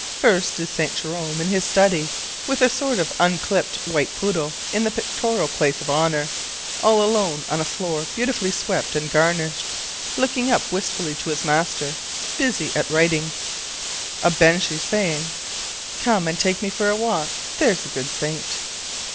First is St. Jerome in his study with a sort of unclipped white poodle in the pictorial place of honor, all alone on a floor beautifully swept and garnished, looking up wistfully to his master busy at writing (a Benjy saying, "Come and take me for a walk, there's a good saint!").